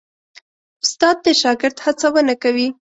استاد د شاګرد هڅونه کوي.